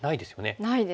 ないですね。